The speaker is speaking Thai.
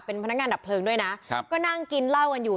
เป็นพนักงานดับเพลิงด้วยนะครับก็นั่งกินเหล้ากันอยู่